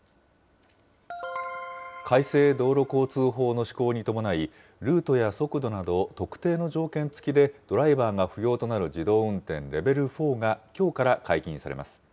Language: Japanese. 改正道路交通法の施行に伴い、ルートや速度など、特定の条件付きでドライバーが不要となる自動運転レベル４がきょうから解禁されます。